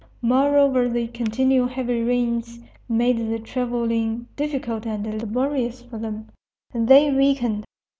Moreover, the continual heavy rains made the travelling difficult and laborious for them, and they weakened.